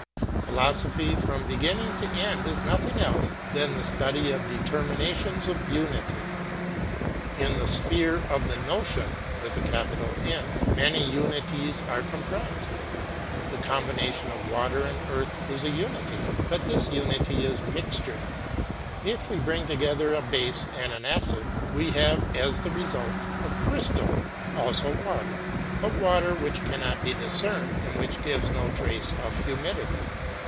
Philosophy from beginning to end is nothing else than the study of determinations of unity. In the sphere of the Notion many unities are comprised. The combination of water and earth is a unity, but this unity is mixture. If we bring together a base and an acid, we have as the result a crystal; also water; but water which cannot be discerned and which gives no trace of humidity.